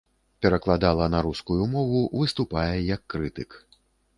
Перакладала на рускую мову, выступае як крытык.